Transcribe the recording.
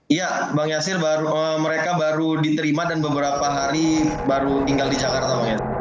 iya bang yasil mereka baru diterima dan beberapa hari baru tinggal di jakarta bang ya